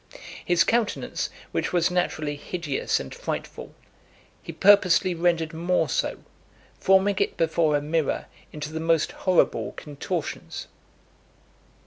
His countenance, which was naturally hideous and frightful, he purposely rendered more so, forming it before a mirror into the most horrible contortions.